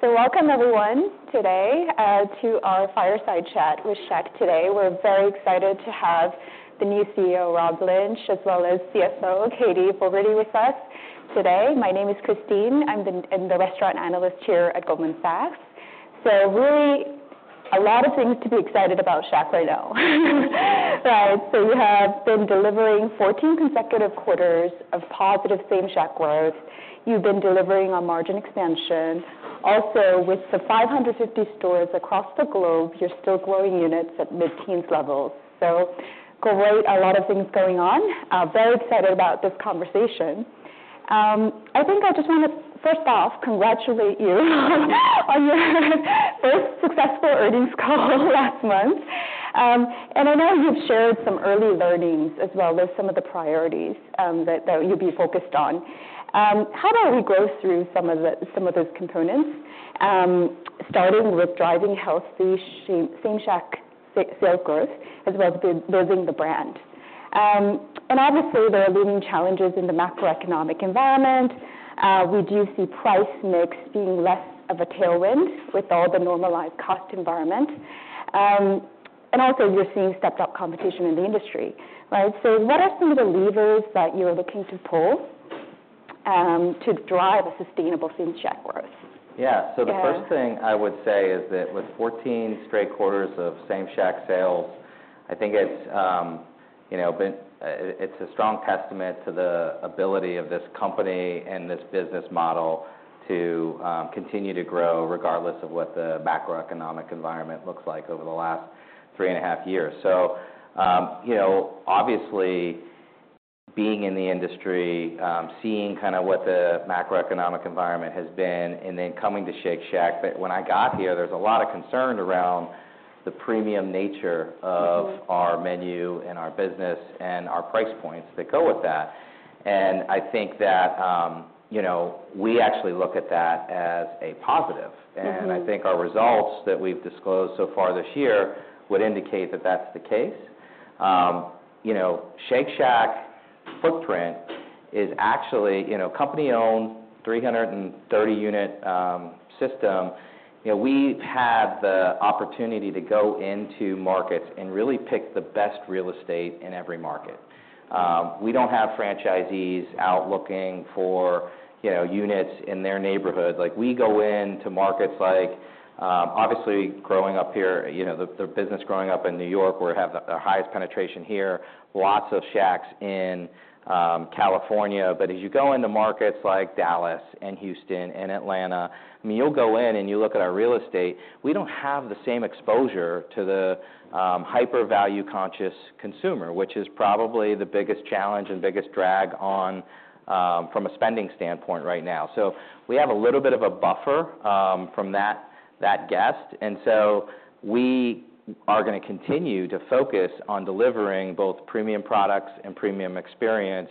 So welcome, everyone, today to our fireside chat with Shack today. We're very excited to have the new CEO, Rob Lynch, as well as CFO, Katherine Fogertey, with us today. My name is Christine. I'm the restaurant analyst here at Goldman Sachs. So really, a lot of things to be excited about Shack right now. Right. So you have been delivering 14 consecutive quarters of positive same Shack growth. You've been delivering on margin expansion. Also, with the 550 stores across the globe, you're still growing units at mid-teens levels. So great, a lot of things going on. Very excited about this conversation. I think I just wanna, first off, congratulate you on your first successful earnings call last month. I know you've shared some early learnings, as well as some of the priorities, that you'd be focused on. How about we go through some of those components, starting with driving healthy Same Shack sales growth, as well as building the brand? And obviously, there are looming challenges in the macroeconomic environment. We do see price mix being less of a tailwind with all the normalized cost environment. And also, you're seeing stepped up competition in the industry, right? So what are some of the levers that you're looking to pull, to drive a sustainable Same Shack growth? Yeah. And- So the first thing I would say is that with 14 straight quarters of Same Shack sales, I think it's, you know, been a strong testament to the ability of this company and this business model to continue to grow regardless of what the macroeconomic environment looks like over the last three and a half years. So, you know, obviously, being in the industry, seeing kind of what the macroeconomic environment has been and then coming to Shake Shack, but when I got here, there was a lot of concern around the premium nature of- Mm-hmm... our menu and our business and our price points that go with that. And I think that, you know, we actually look at that as a positive. Mm-hmm. And I think our results that we've disclosed so far this year would indicate that that's the case. You know, Shake Shack footprint is actually, you know, company-owned, 330-unit system. You know, we've had the opportunity to go into markets and really pick the best real estate in every market. We don't have franchisees out looking for, you know, units in their neighborhood. Like, we go into markets like, obviously, growing up here, you know, the business growing up in New York, where we have the highest penetration here, lots of Shacks in California. But as you go into markets like Dallas and Houston and Atlanta, I mean, you'll go in and you look at our real estate, we don't have the same exposure to the hyper value-conscious consumer, which is probably the biggest challenge and biggest drag on from a spending standpoint right now. So we have a little bit of a buffer from that guest, and so we are gonna continue to focus on delivering both premium products and premium experience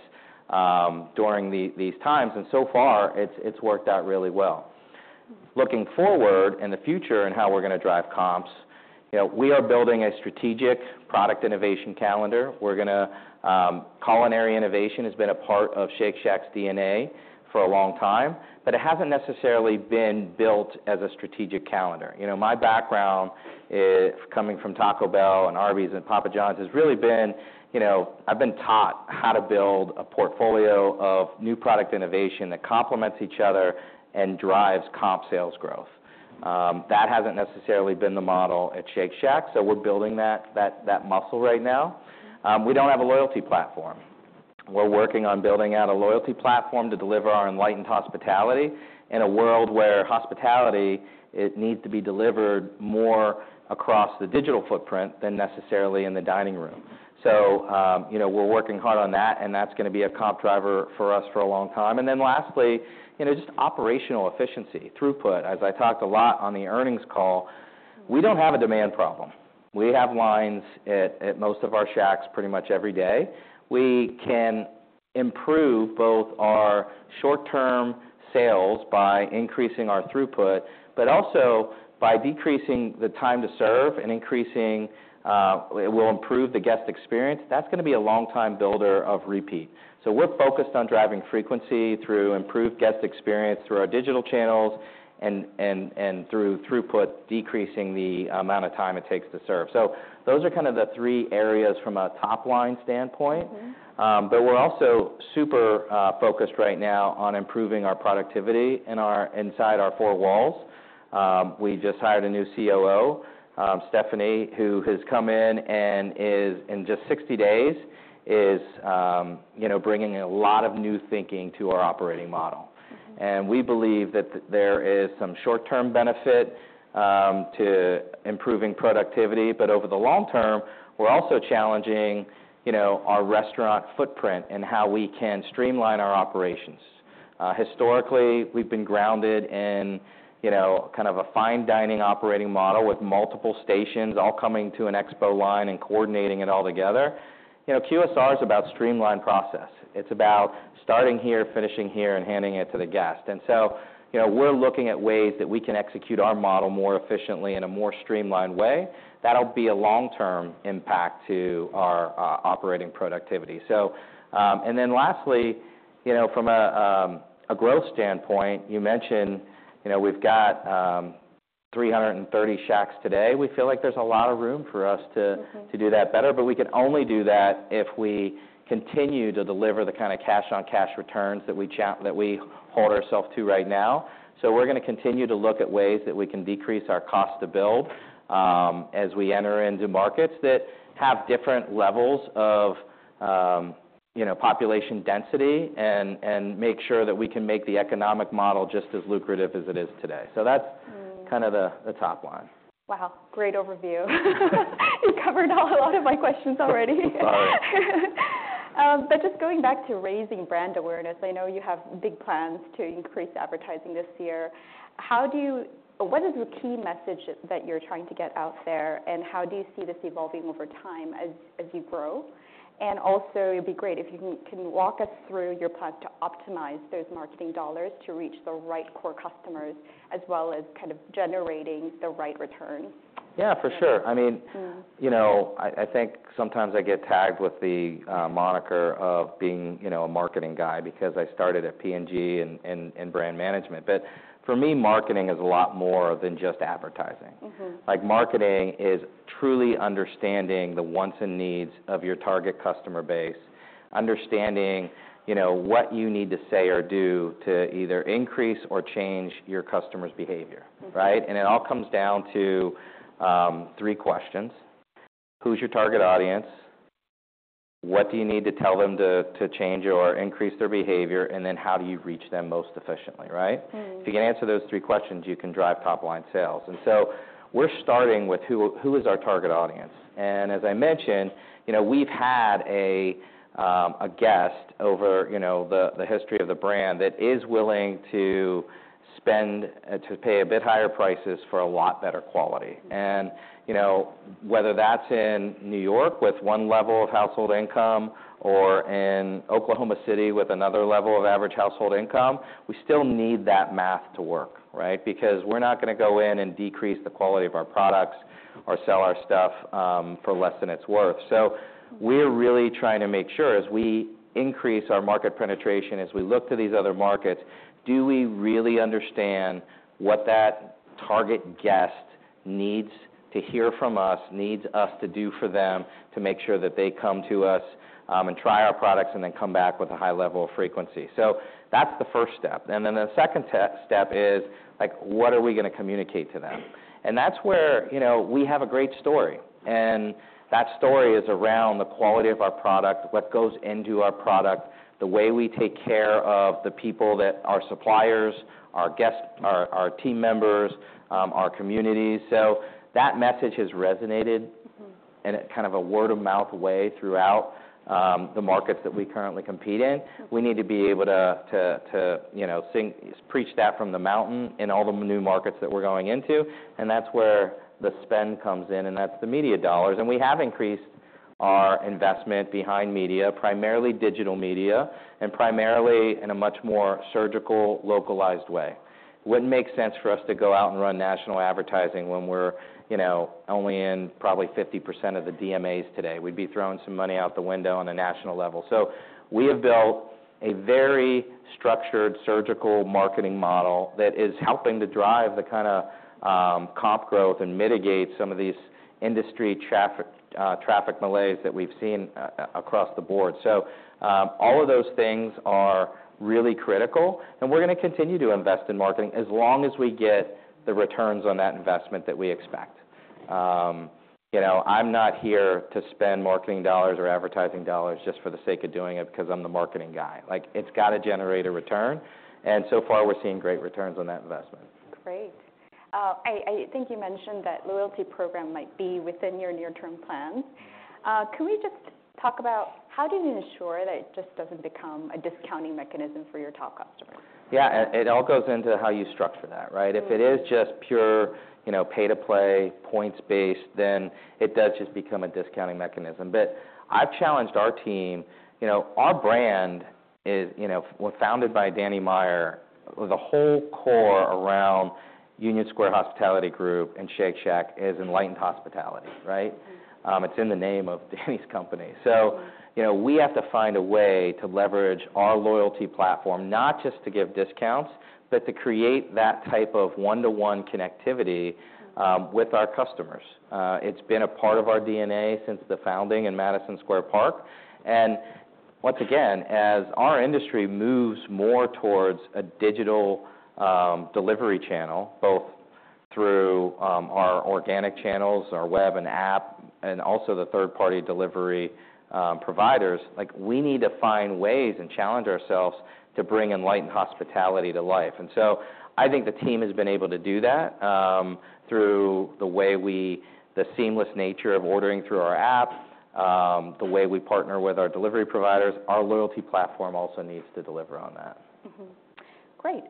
during these times, and so far, it's worked out really well. Looking forward in the future and how we're gonna drive comps, you know, we are building a strategic product innovation calendar. We're gonna... Culinary innovation has been a part of Shake Shack DNA for a long time, but it hasn't necessarily been built as a strategic calendar. You know, my background coming from Taco Bell and Arby's and Papa John's has really been, you know, I've been taught how to build a portfolio of new product innovation that complements each other and drives comp sales growth. That hasn't necessarily been the model at Shake Shack, so we're building that muscle right now. We don't have a loyalty platform. We're working on building out a loyalty platform to deliver our Enlightened Hospitality in a world where hospitality it needs to be delivered more across the digital footprint than necessarily in the dining room. So, you know, we're working hard on that, and that's gonna be a comp driver for us for a long time. And then lastly, you know, just operational efficiency, throughput. As I talked a lot on the earnings call, we don't have a demand problem. We have lines at most of our Shacks pretty much every day. We can improve both our short-term sales by increasing our throughput, but also by decreasing the time to serve and increasing, it will improve the guest experience. That's gonna be a long time builder of repeat. So we're focused on driving frequency through improved guest experience, through our digital channels, and through throughput, decreasing the amount of time it takes to serve. So those are kind of the three areas from a top-line standpoint. Mm-hmm. But we're also super focused right now on improving our productivity inside our four walls. We just hired a new COO, Stephanie, who has come in and is, in just sixty days, you know, bringing a lot of new thinking to our operating model. Mm-hmm. And we believe that there is some short-term benefit to improving productivity, but over the long term, we're also challenging, you know, our restaurant footprint and how we can streamline our operations. Historically, we've been grounded in, you know, kind of a fine dining operating model with multiple stations all coming to an expo line and coordinating it all together. You know, QSR is about streamlined process. It's about starting here, finishing here, and handing it to the guest. And so, you know, we're looking at ways that we can execute our model more efficiently in a more streamlined way. That'll be a long-term impact to our operating productivity. So, and then lastly, you know, from a growth standpoint, you mentioned, you know, we've got 330 Shacks today. We feel like there's a lot of room for us to- Mm-hmm. To do that better, but we can only do that if we continue to deliver the kind of cash-on-cash returns that we hold ourselves to right now. So we're gonna continue to look at ways that we can decrease our cost to build, as we enter into markets that have different levels of, you know, population density, and make sure that we can make the economic model just as lucrative as it is today. So that's- Mm. kind of the top line. Wow, great overview. You covered a lot of my questions already. Sorry. But just going back to raising brand awareness, I know you have big plans to increase advertising this year. What is the key message that you're trying to get out there, and how do you see this evolving over time as you grow? And also, can you walk us through your plan to optimize those marketing dollars to reach the right core customers, as well as kind of generating the right return? Yeah, for sure. Mm. I mean, you know, I think sometimes I get tagged with the moniker of being, you know, a marketing guy because I started at P&G in brand management. But for me, marketing is a lot more than just advertising. Mm-hmm. Like, marketing is truly understanding the wants and needs of your target customer base, understanding, you know, what you need to say or do to either increase or change your customer's behavior, right? Mm-hmm. And it all comes down to three questions: Who's your target audience? What do you need to tell them to change or increase their behavior? And then, how do you reach them most efficiently, right? Mm. If you can answer those three questions, you can drive top-line sales. And so we're starting with who is our target audience? And as I mentioned, you know, we've had a guest over, you know, the history of the brand that is willing to spend to pay a bit higher prices for a lot better quality. Mm. You know, whether that's in New York, with one level of household income, or in Oklahoma City, with another level of average household income, we still need that math to work, right? Because we're not gonna go in and decrease the quality of our products or sell our stuff for less than it's worth. We're really trying to make sure, as we increase our market penetration, as we look to these other markets, do we really understand what that target guest needs to hear from us, needs us to do for them, to make sure that they come to us and try our products, and then come back with a high level of frequency? That's the first step. The second step is, like, what are we gonna communicate to them? And that's where, you know, we have a great story, and that story is around the quality of our product, what goes into our product, the way we take care of the people that, our suppliers, our guests, our team members, our communities. So that message has resonated. Mm-hmm... in a kind of a word-of-mouth way throughout, the markets that we currently compete in. Mm-hmm. We need to be able to, you know, preach that from the mountain in all the new markets that we're going into, and that's where the spend comes in, and that's the media dollars. And we have increased our investment behind media, primarily digital media, and primarily in a much more surgical, localized way. It wouldn't make sense for us to go out and run national advertising when we're, you know, only in probably 50% of the DMAs today. We'd be throwing some money out the window on a national level. So we have built a very structured, surgical marketing model that is helping to drive the kind of, comp growth and mitigate some of these industry traffic malaise that we've seen across the board. So, all of those things are really critical, and we're gonna continue to invest in marketing as long as we get the returns on that investment that we expect. You know, I'm not here to spend marketing dollars or advertising dollars just for the sake of doing it because I'm the marketing guy. Like, it's got to generate a return, and so far, we're seeing great returns on that investment. Great. I think you mentioned that loyalty program might be within your near-term plans. Mm-hmm. Can we just talk about how do you ensure that it just doesn't become a discounting mechanism for your top customers? Yeah, it all goes into how you structure that, right? Mm. If it is just pure, you know, pay-to-play, points-based, then it does just become a discounting mechanism. But I've challenged our team... You know, our brand is, you know, was founded by Danny Meyer, with the whole core around Union Square Hospitality Group and Shake Shack is Enlightened Hospitality, right? Mm. It's in the name of Danny's company. Mm. So, you know, we have to find a way to leverage our loyalty platform, not just to give discounts, but to create that type of one-to-one connectivity- Mm... with our customers. It's been a part of our DNA since the founding in Madison Square Park. And once again, as our industry moves more towards a digital delivery channel, both through our organic channels, our web and app, and also the third-party delivery providers, like, we need to find ways and challenge ourselves to bring Enlightened Hospitality to life. And so I think the team has been able to do that through the seamless nature of ordering through our app, the way we partner with our delivery providers. Our loyalty platform also needs to deliver on that. Great.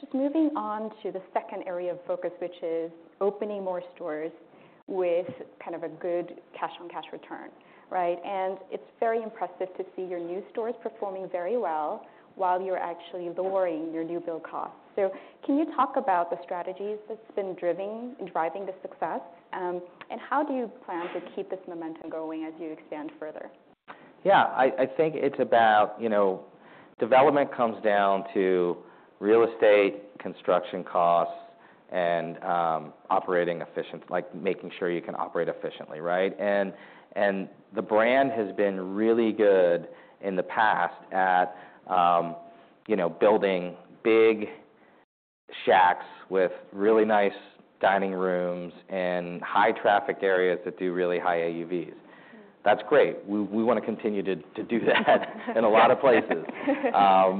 Just moving on to the second area of focus, which is opening more stores with kind of a good cash-on-cash return, right? And it's very impressive to see your new stores performing very well while you're actually lowering- Yeah... your new build costs. So can you talk about the strategies that's been driving the success? And how do you plan to keep this momentum going as you expand further? Yeah, I think it's about, you know, development comes down to real estate, construction costs, and operating efficient, like making sure you can operate efficiently, right? And the brand has been really good in the past at, you know, building big Shacks with really nice dining rooms and high traffic areas that do really high AUVs. That's great. We wanna continue to do that in a lot of places.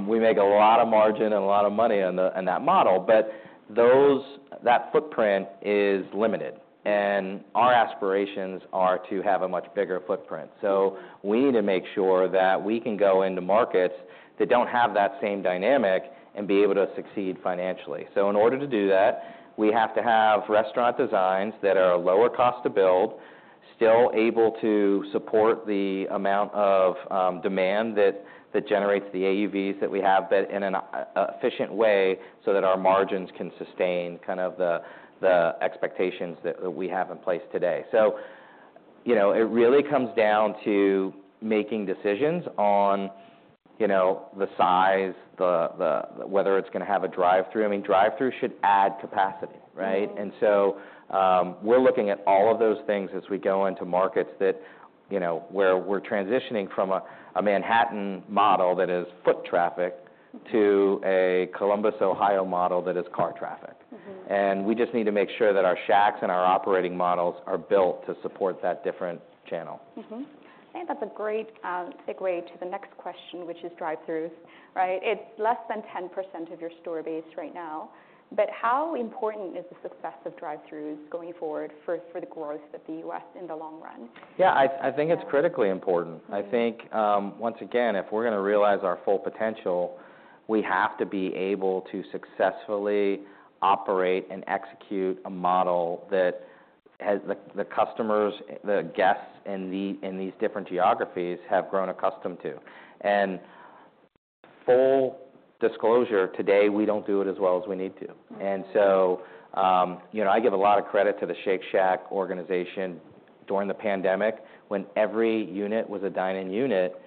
We make a lot of margin and a lot of money on that model, but that footprint is limited, and our aspirations are to have a much bigger footprint. Mm-hmm. So we need to make sure that we can go into markets that don't have that same dynamic and be able to succeed financially. So in order to do that, we have to have restaurant designs that are lower cost to build, still able to support the amount of demand that generates the AUVs that we have, but in an efficient way, so that our margins can sustain kind of the expectations that we have in place today. So, you know, it really comes down to making decisions on, you know, the size, whether it's gonna have a drive-through. I mean, drive-through should add capacity, right? Mm-hmm. And so, we're looking at all of those things as we go into markets that, you know, where we're transitioning from a Manhattan model that is foot traffic- Mm-hmm. -to a Columbus, Ohio, model that is car traffic. Mm-hmm. We just need to make sure that our Shacks and our operating models are built to support that different channel. Mm-hmm. I think that's a great segue to the next question, which is drive-throughs, right? It's less than 10% of your store base right now, but how important is the success of drive-throughs going forward for the growth of the U.S. in the long run? Yeah, I think it's critically important. Mm-hmm. I think, once again, if we're gonna realize our full potential, we have to be able to successfully operate and execute a model that has the customers, the guests in these different geographies have grown accustomed to, and full disclosure, today, we don't do it as well as we need to. Mm-hmm. And so, you know, I give a lot of credit to the Shake Shack organization during the pandemic, when every unit was a dine-in unit.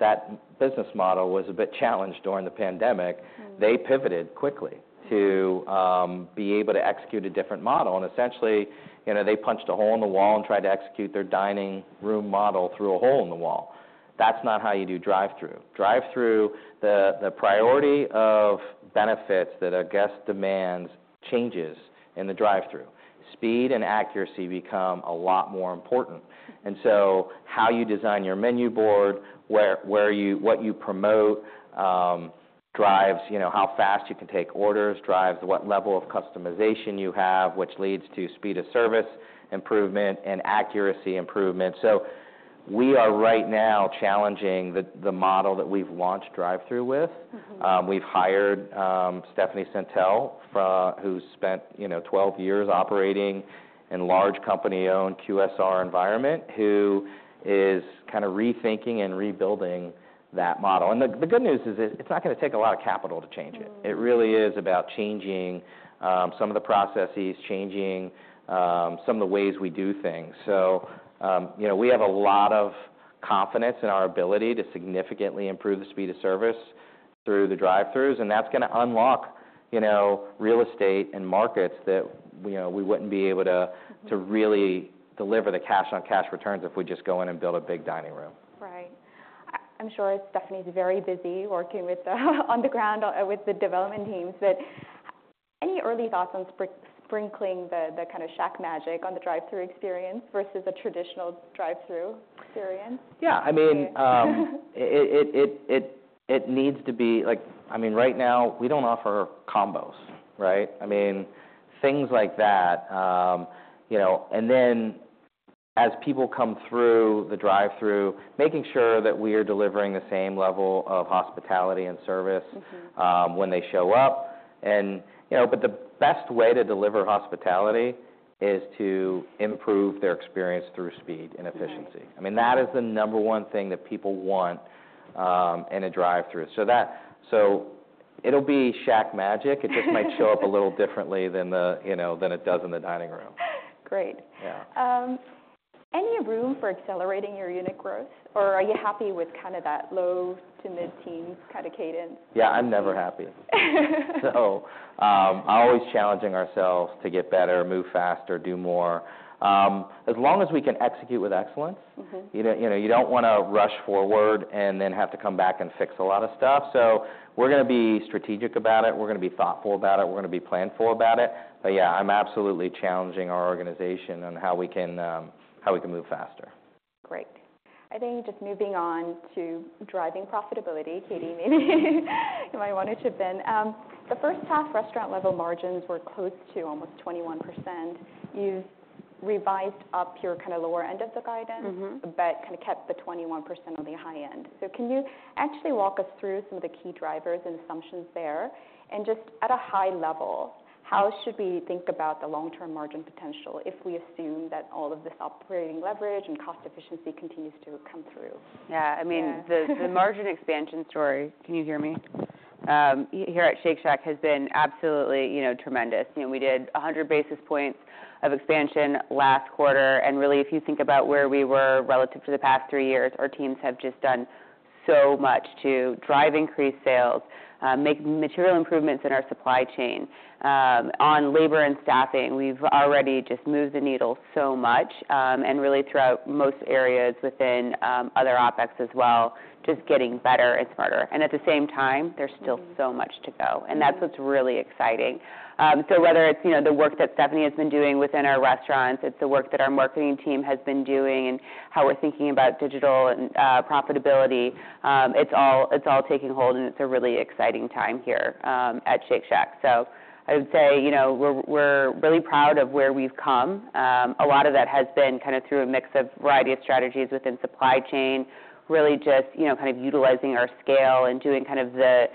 That business model was a bit challenged during the pandemic. Mm-hmm. They pivoted quickly- Mm-hmm... to be able to execute a different model. And essentially, you know, they punched a hole in the wall and tried to execute their dining room model through a hole in the wall. That's not how you do drive-through. Drive-through, the priority of benefits that a guest demands changes in the drive-through. Speed and accuracy become a lot more important. Mm-hmm. And so how you design your menu board, where you what you promote, drives, you know, how fast you can take orders, drives what level of customization you have, which leads to speed of service improvement and accuracy improvement. So we are right now challenging the model that we've launched drive-through with. Mm-hmm. We've hired Stephanie Sentell, who's spent, you know, 12 years operating in large company-owned QSR environment, who is kind of rethinking and rebuilding that model. The good news is, it's not gonna take a lot of capital to change it. Mm-hmm. It really is about changing some of the processes, changing some of the ways we do things. So, you know, we have a lot of confidence in our ability to significantly improve the speed of service through the drive-throughs, and that's gonna unlock, you know, real estate and markets that, you know, we wouldn't be able to- Mm-hmm... to really deliver the cash-on-cash returns if we just go in and build a big dining room. Right. I'm sure Stephanie's very busy working with the on the ground, with the development teams. But any early thoughts on sprinkling the, the kind of Shack magic on the drive-through experience versus the traditional drive-through experience? Yeah. I mean, it needs to be like... I mean, right now, we don't offer combos, right? I mean, things like that. You know, and then, as people come through the drive-through, making sure that we are delivering the same level of hospitality and service- Mm-hmm... when they show up, and you know, but the best way to deliver hospitality is to improve their experience through speed and efficiency. Right. I mean, that is the number one thing that people want in a drive-through. So it'll be Shack magic. It just might show up a little differently than, you know, it does in the dining room. Great. Yeah. Any room for accelerating your unit growth, or are you happy with kind of that low to mid-teens kind of cadence? Yeah, I'm never happy. So, always challenging ourselves to get better, move faster, do more. As long as we can execute with excellence. Mm-hmm. You know, you know, you don't wanna rush forward and then have to come back and fix a lot of stuff. So we're gonna be strategic about it. We're gonna be thoughtful about it. We're gonna be planned for about it. But yeah, I'm absolutely challenging our organization on how we can, how we can move faster. Great. I think just moving on to driving profitability, Katie, maybe you might wanna chip in. The first half restaurant-level margins were close to almost 21%. You've revised up your kind of lower end of the guidance- Mm-hmm... but kind of kept the 21% on the high end. So can you actually walk us through some of the key drivers and assumptions there? And just at a high level, how should we think about the long-term margin potential if we assume that all of this operating leverage and cost efficiency continues to come through? Yeah, I mean- Yeah. The margin expansion story here at Shake Shack has been absolutely, you know, tremendous. You know, we did a hundred basis points of expansion last quarter, and really, if you think about where we were relative to the past three years, our teams have just done so much to drive increased sales, make material improvements in our supply chain. On labor and staffing, we've already just moved the needle so much, and really throughout most areas within other OpEx as well, just getting better and smarter. And at the same time, there's still so much to go, and that's what's really exciting. So whether it's, you know, the work that Stephanie has been doing within our restaurants, it's the work that our marketing team has been doing, and how we're thinking about digital and profitability, it's all taking hold, and it's a really exciting time here at Shake Shack. So I would say, you know, we're really proud of where we've come. A lot of that has been kind of through a mix of variety of strategies within supply chain, really just, you know, kind of utilizing our scale and doing kind of the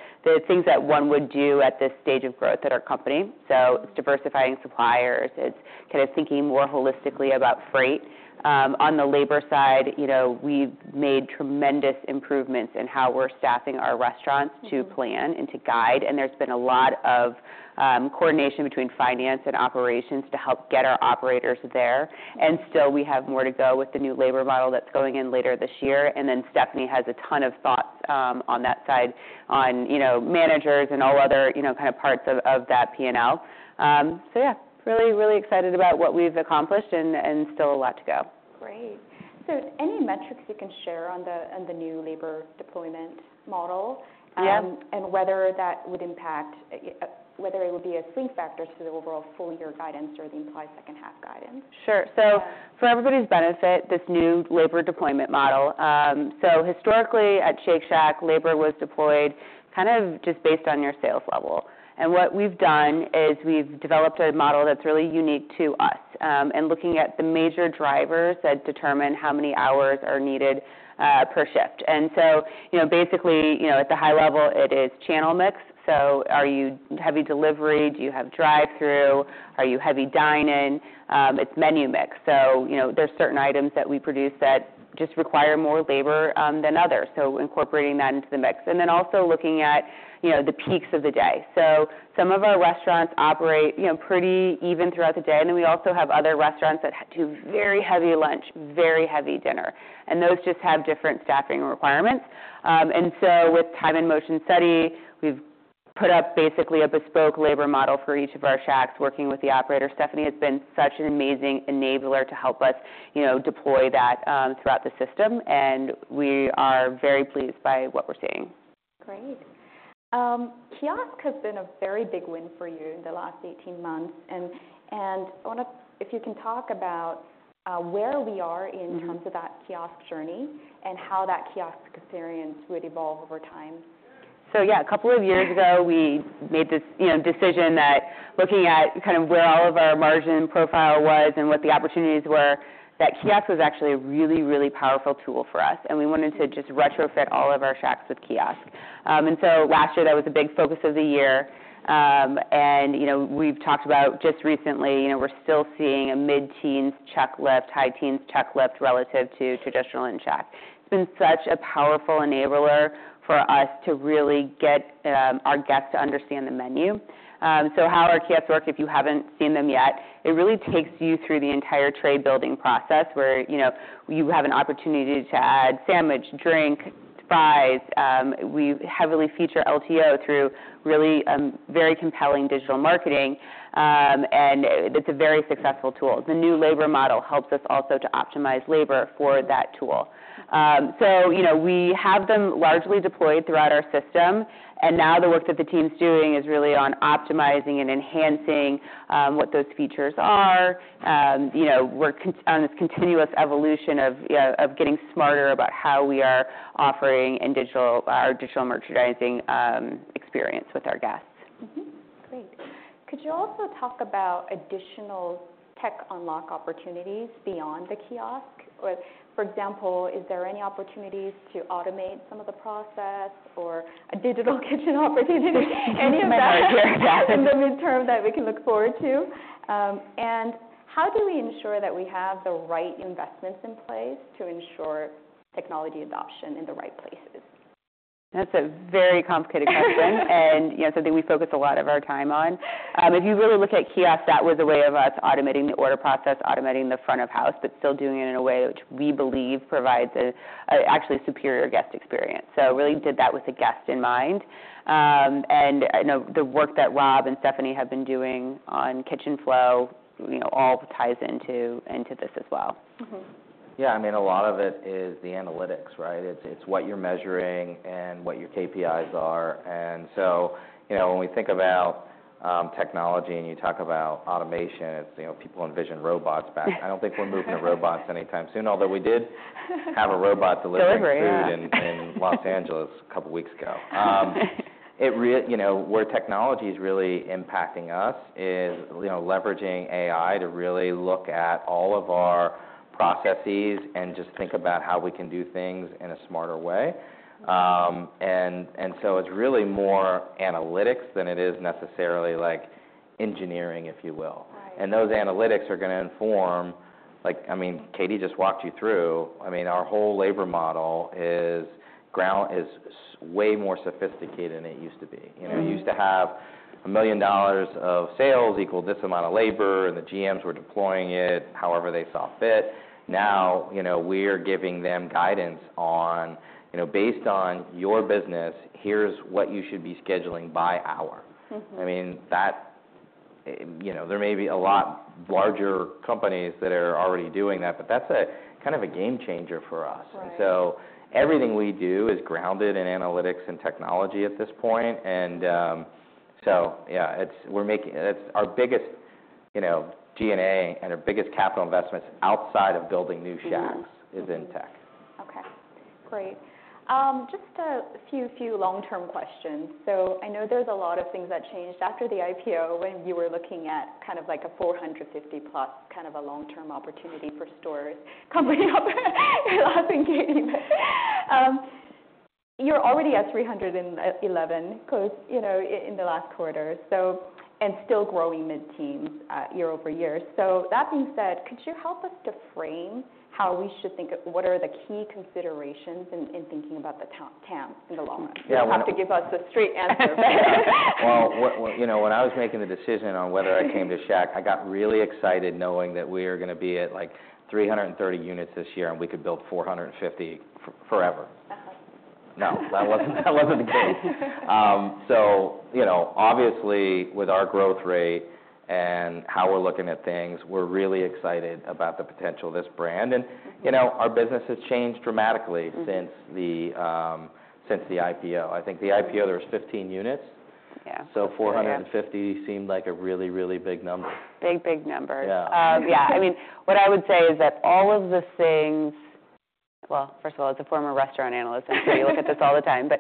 things that one would do at this stage of growth at our company. So it's diversifying suppliers. It's kind of thinking more holistically about freight. On the labor side, you know, we've made tremendous improvements in how we're staffing our restaurants to plan and to guide, and there's been a lot of coordination between finance and operations to help get our operators there. And still, we have more to go with the new labor model that's going in later this year, and then Stephanie has a ton of thoughts on that side, on, you know, managers and all other, you know, kind of parts of that P&L. So yeah, really, really excited about what we've accomplished and still a lot to go. Great. So any metrics you can share on the new labor deployment model? Yep. And whether that would impact whether it would be a key factor to the overall full year guidance or the implied second half guidance? Sure. So for everybody's benefit, this new labor deployment model, so historically at Shake Shack, labor was deployed kind of just based on your sales level. And what we've done is we've developed a model that's really unique to us, and looking at the major drivers that determine how many hours are needed per shift. And so, you know, basically, you know, at the high level, it is channel mix. So are you heavy delivery? Do you have drive-through? Are you heavy dine-in? It's menu mix. So, you know, there's certain items that we produce that just require more labor than others, so incorporating that into the mix. And then also looking at, you know, the peaks of the day. So some of our restaurants operate, you know, pretty even throughout the day, and then we also have other restaurants that do very heavy lunch, very heavy dinner, and those just have different staffing requirements. And so with time and motion study, we've put up basically a bespoke labor model for each of our Shacks, working with the operator. Stephanie has been such an amazing enabler to help us, you know, deploy that, throughout the system, and we are very pleased by what we're seeing. Great. Kiosk has been a very big win for you in the last eighteen months, and I wonder if you can talk about where we are in terms of that kiosk journey and how that kiosk experience would evolve over time. So yeah, a couple of years ago, we made this, you know, decision that looking at kind of where all of our margin profile was and what the opportunities were, that kiosk was actually a really, really powerful tool for us, and we wanted to just retrofit all of our Shacks with kiosk. And so last year, that was a big focus of the year. And, you know, we've talked about just recently, you know, we're still seeing a mid-teens check lift, high teens check lift relative to traditional in-Shack. It's been such a powerful enabler for us to really get our guests to understand the menu. So how our kiosks work, if you haven't seen them yet, it really takes you through the entire trade building process, where, you know, you have an opportunity to add sandwich, drink, fries. We heavily feature LTO through really, very compelling digital marketing, and it's a very successful tool. The new labor model helps us also to optimize labor for that tool, so you know, we have them largely deployed throughout our system, and now the work that the team's doing is really on optimizing and enhancing what those features are. You know, we're on this continuous evolution of, you know, of getting smarter about how we are offering in digital our digital merchandising experience with our guests. Mm-hmm. Great. Could you also talk about additional tech unlock opportunities beyond the kiosk? Or, for example, is there any opportunities to automate some of the process or a digital kitchen opportunity? My area. Any of that in the midterm that we can look forward to? And how do we ensure that we have the right investments in place to ensure technology adoption in the right places? That's a very complicated question, and, you know, something we focus a lot of our time on. If you really look at kiosk, that was a way of us automating the order process, automating the front of house, but still doing it in a way which we believe provides a actually superior guest experience. So really did that with the guest in mind. And, you know, the work that Rob and Stephanie have been doing on kitchen flow, you know, all ties into this as well. Mm-hmm. Yeah, I mean, a lot of it is the analytics, right? It's what you're measuring and what your KPIs are. And so, you know, when we think about technology, and you talk about automation, it's, you know, people envision robots back. I don't think we're moving to robots anytime soon, although we did have a robot delivering- Delivery, yeah. food in Los Angeles a couple weeks ago. You know, where technology is really impacting us is, you know, leveraging AI to really look at all of our processes and just think about how we can do things in a smarter way. And so it's really more analytics than it is necessarily engineering, if you will. Right. Those analytics are going to inform, like, I mean, Katie just walked you through, I mean, our whole labor model is way more sophisticated than it used to be. Mm-hmm. You know, we used to have $1 million of sales equal this amount of labor, and the GMs were deploying it however they saw fit. Now, you know, we're giving them guidance on, you know, based on your business, here's what you should be scheduling by hour. Mm-hmm. I mean, that, you know, there may be a lot larger companies that are already doing that, but that's a, kind of a game changer for us. Right. And so everything we do is grounded in analytics and technology at this point. And so yeah, it's our biggest, you know, G&A and our biggest capital investments outside of building new Shacks. Mm-hmm... is in tech. Okay, great. Just a few long-term questions. So I know there's a lot of things that changed after the IPO, when you were looking at kind of like a 450-plus, kind of a long-term opportunity for stores coming up. You're laughing, Katie. You're already at 311, because, you know, in the last quarter, so. And still growing mid-teens% year over year. So that being said, could you help us to frame how we should think of, what are the key considerations in, in thinking about the TAM in the long run? Yeah, well- You have to give us a straight answer. When, you know, when I was making the decision on whether I came to Shack, I got really excited knowing that we were going to be at, like, three hundred and thirty units this year, and we could build four hundred and fifty forever. No, that wasn't the case. So you know, obviously, with our growth rate and how we're looking at things, we're really excited about the potential of this brand. Mm-hmm. You know, our business has changed dramatically. Mm-hmm... since the IPO. I think the IPO, there was 15 units. Yeah. Four hundred and fifty seemed like a really, really big number. Big, big number. Yeah. Yeah. I mean, what I would say is that all of the things... Well, first of all, as a former restaurant analyst, I see you look at this all the time. But,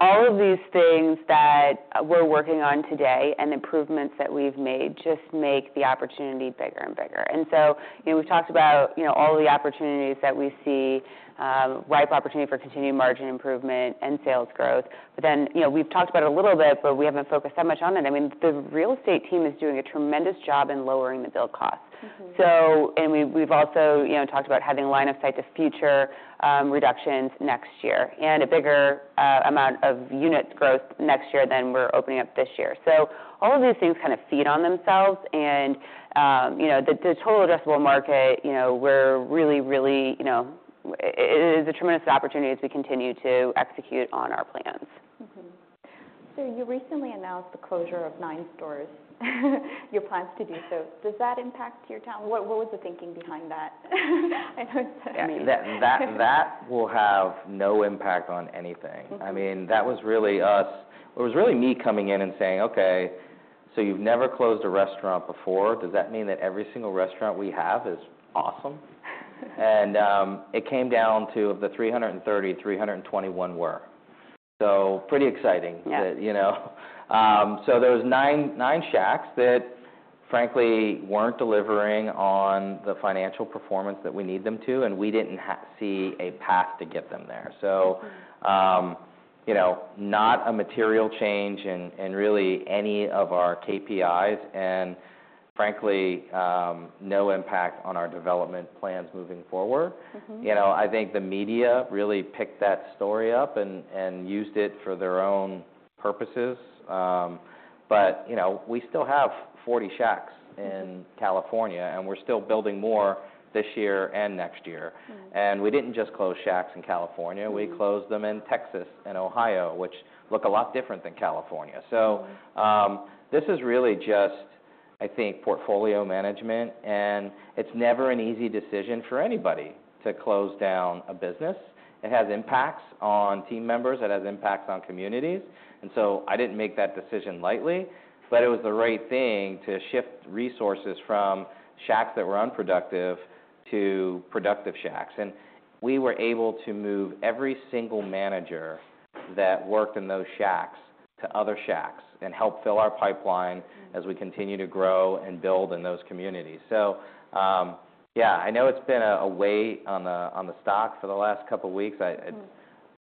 all of these things that we're working on today and improvements that we've made just make the opportunity bigger and bigger. And so, you know, we've talked about, you know, all the opportunities that we see, ripe opportunity for continued margin improvement and sales growth. But then, you know, we've talked about it a little bit, but we haven't focused that much on it. I mean, the real estate team is doing a tremendous job in lowering the build cost. Mm-hmm. So, and we, we've also, you know, talked about having line of sight to future reductions next year, and a bigger amount of unit growth next year than we're opening up this year. So all of these things kind of feed on themselves, and, you know, the total addressable market, you know, we're really, really, you know. It is a tremendous opportunity as we continue to execute on our plans. Mm-hmm. So you recently announced the closure of nine stores, your plans to do so. Does that impact your TAM? What, what was the thinking behind that? I know it's me. That will have no impact on anything. Mm-hmm. I mean, that was really us... It was really me coming in and saying, "Okay, so you've never closed a restaurant before. Does that mean that every single restaurant we have is awesome?" And it came down to, of the three hundred and thirty, three hundred and twenty-one were. So pretty exciting. Yeah... that, you know? So there was nine Shacks that, frankly, weren't delivering on the financial performance that we need them to, and we didn't see a path to get them there. Mm-hmm. So, you know, not a material change in really any of our KPIs and frankly, no impact on our development plans moving forward. Mm-hmm. You know, I think the media really picked that story up and used it for their own purposes. But, you know, we still have 40 Shacks- Mm-hmm... in California, and we're still building more this year and next year. Mm. We didn't just close Shacks in California. Mm... we closed them in Texas and Ohio, which look a lot different than California. Mm. So, this is really just, I think, portfolio management, and it's never an easy decision for anybody to close down a business. It has impacts on team members. It has impacts on communities, and so I didn't make that decision lightly. But it was the right thing to shift resources from Shacks that were unproductive to productive Shacks. And we were able to move every single manager that worked in those Shacks to other Shacks and help fill our pipeline- Mm... as we continue to grow and build in those communities. So, yeah, I know it's been a wait on the stock for the last couple weeks. I- Mm... it's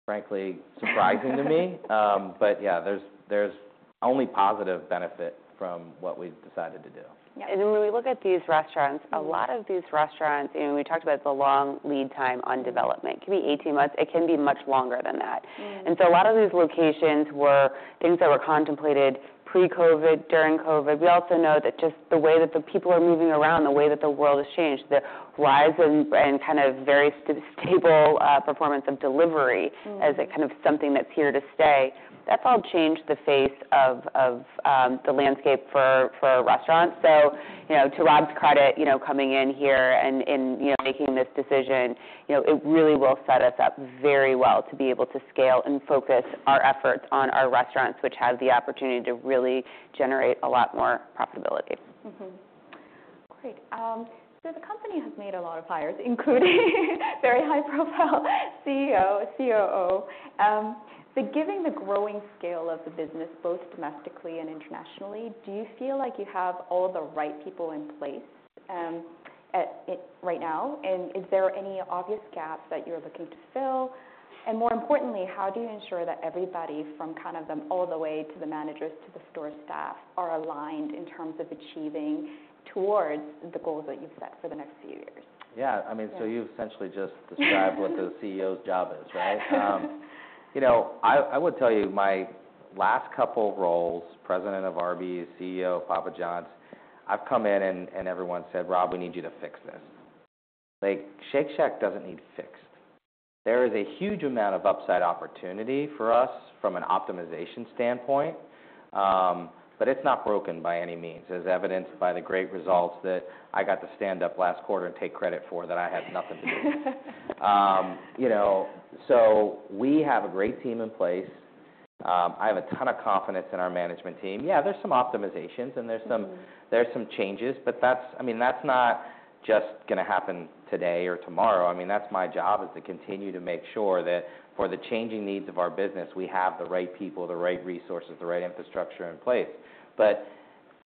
frankly surprising to me. But yeah, there's only positive benefit from what we've decided to do. Yeah, and when we look at these restaurants- Mm... a lot of these restaurants, and we talked about the long lead time on development, it can be eighteen months, it can be much longer than that. Mm. And so a lot of these locations were things that were contemplated pre-COVID, during COVID. We also know that just the way that the people are moving around, the way that the world has changed, the rise and kind of very stable performance of delivery- Mm... as a kind of something that's here to stay, that's all changed the face of, the landscape for restaurants. So, you know, to Rob's credit, you know, coming in here and, you know, making this decision, you know, it really will set us up very well to be able to scale and focus our efforts on our restaurants, which have the opportunity to really generate a lot more profitability. Mm-hmm. Great. So the company has made a lot of hires, including very high-profile CEO, COO. So given the growing scale of the business, both domestically and internationally, do you feel like you have all the right people in place at it right now? And is there any obvious gaps that you're looking to fill?... and more importantly, how do you ensure that everybody from kind of them all the way to the managers, to the store staff, are aligned in terms of achieving towards the goals that you've set for the next few years? Yeah, I mean- Yeah. So you essentially just described what the CEO's job is, right? You know, I would tell you, my last couple roles, President of Arby's, CEO of Papa John's, I've come in and everyone said, "Rob, we need you to fix this." Like, Shake Shack doesn't need fixed. There is a huge amount of upside opportunity for us from an optimization standpoint, but it's not broken by any means, as evidenced by the great results that I got to stand up last quarter and take credit for, that I had nothing to do with. You know, so we have a great team in place. I have a ton of confidence in our management team. Yeah, there's some optimizations, and there's some- Mm-hmm. There are some changes, but that's... I mean, that's not just gonna happen today or tomorrow. I mean, that's my job, is to continue to make sure that for the changing needs of our business, we have the right people, the right resources, the right infrastructure in place. But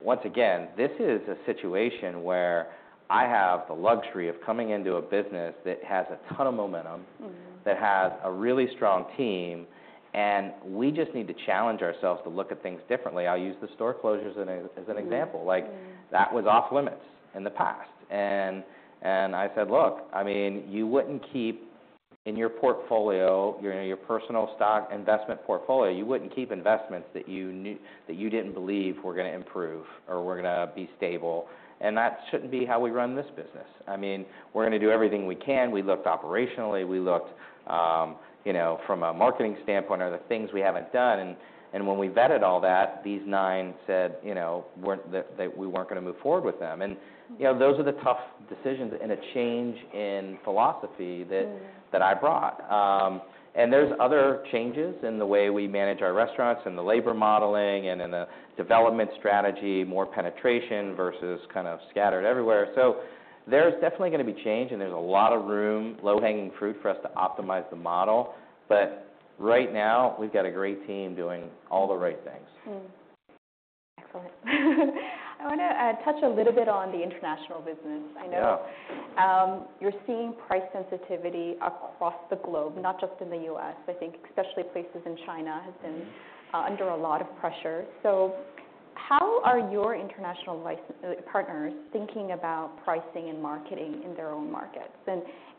once again, this is a situation where I have the luxury of coming into a business that has a ton of momentum. Mm-hmm... that has a really strong team, and we just need to challenge ourselves to look at things differently. I'll use the store closures as a, as an example. Mm-hmm. Like, that was off-limits in the past. And I said, "Look, I mean, you wouldn't keep in your portfolio, your, you know, your personal stock investment portfolio, you wouldn't keep investments that you didn't believe were gonna improve or were gonna be stable," and that shouldn't be how we run this business. I mean, we're gonna do everything we can. We looked operationally, we looked, you know, from a marketing standpoint, are there things we haven't done? And when we vetted all that, these nine said, you know, weren't, that we weren't gonna move forward with them. Mm-hmm. And, you know, those are the tough decisions and a change in philosophy that- Mm... that I brought, and there's other changes in the way we manage our restaurants, in the labor modeling, and in the development strategy, more penetration versus kind of scattered everywhere, so there's definitely gonna be change, and there's a lot of room, low-hanging fruit, for us to optimize the model, but right now, we've got a great team doing all the right things. Mm-hmm. Excellent. I wanna touch a little bit on the international business. Yeah. I know, you're seeing price sensitivity across the globe- Mm... not just in the U.S. I think especially places in China has been under a lot of pressure. So how are your international licensee partners thinking about pricing and marketing in their own markets?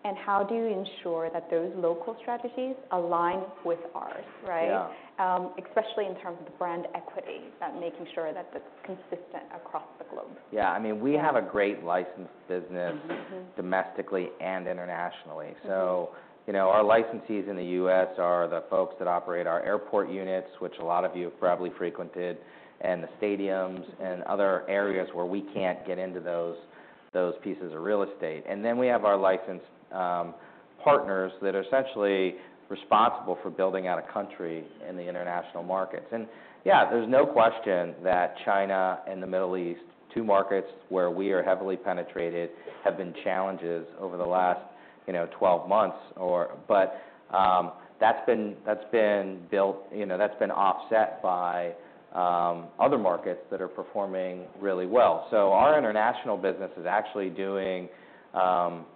And how do you ensure that those local strategies align with ours, right? Yeah. Especially in terms of the brand equity, that making sure that that's consistent across the globe. Yeah, I mean, we have a great licensed business- Mm-hmm, mm-hmm... domestically and internationally. Mm-hmm. So, you know, our licensees in the U.S. are the folks that operate our airport units, which a lot of you have probably frequented, and the stadiums and other areas where we can't get into those pieces of real estate. And then we have our licensed partners that are essentially responsible for building out a country in the international markets. And yeah, there's no question that China and the Middle East, two markets where we are heavily penetrated, have been challenges over the last, you know, 12 months. But that's been offset by other markets that are performing really well. Mm-hmm. So our international business is actually doing,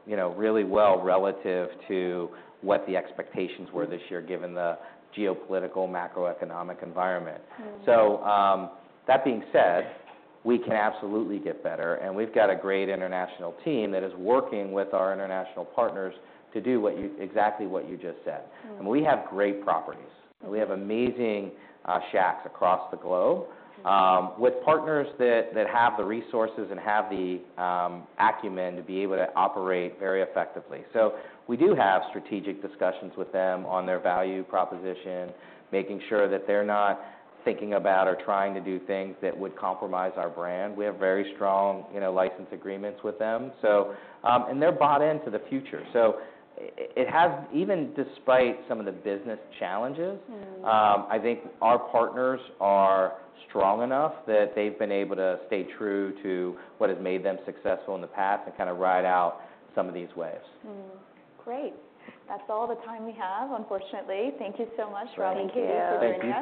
you know, really well relative to what the expectations were- Mm... this year, given the geopolitical macroeconomic environment. Mm. That being said, we can absolutely get better, and we've got a great international team that is working with our international partners to do what you, exactly what you just said. Mm. And we have great properties, and we have amazing Shacks across the globe. Mm-hmm... with partners that have the resources and have the acumen to be able to operate very effectively. So we do have strategic discussions with them on their value proposition, making sure that they're not thinking about or trying to do things that would compromise our brand. We have very strong, you know, license agreements with them. So... and they're bought into the future. So it has, even despite some of the business challenges- Mm... I think our partners are strong enough that they've been able to stay true to what has made them successful in the past and kind of ride out some of these waves. Mm. Great. That's all the time we have, unfortunately. Thank you so much, Rob and Katie- Thank you. Thank you guys.